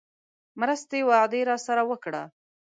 مرستې وعده راسره وکړه.